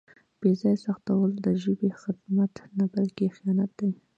بې ځایه سختول د ژبې خدمت نه بلکې خیانت دی.